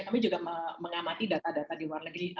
kami juga mengamati data data di luar negeri